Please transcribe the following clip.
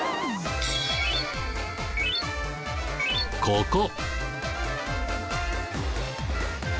ここ。